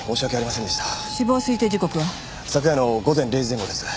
昨夜の午前０時前後です。